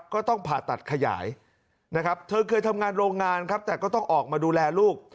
ก็ต้องผ่าตัดขยายนะครับเธอเคยทำงานโรงงานครับแต่ก็ต้องออกมาดูแลลูก